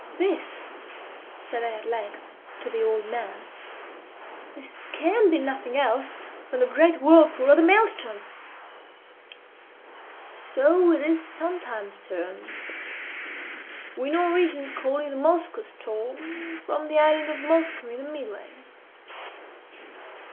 "This," said I at length, to the old man "this can be nothing else than the great whirlpool of the Maelström." "So it is sometimes termed," said he. "We Norwegians call it the Moskoe ström, from the island of Moskoe in the midway."